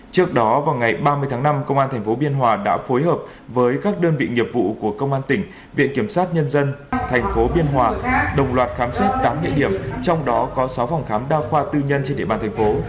trước đó vào ngày ba mươi tháng năm công an tp biên hòa đã phối hợp với các đơn vị nghiệp vụ của công an tỉnh viện kiểm sát nhân dân tp biên hòa đồng loạt khám xét tám địa điểm trong đó có sáu phòng khám đa khoa tư nhân trên địa bàn thành phố